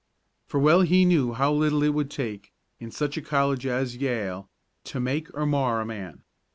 For well he knew how little it would take, in such a college as Yale, to make or mar a man.